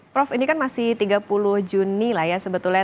prof ini kan masih tiga puluh juni lah ya sebetulnya